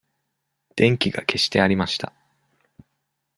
電気が消してありました。